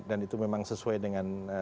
dan itu memang sesuai dengan